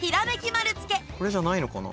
これじゃないのかな？